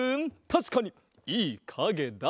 たしかにいいかげだ！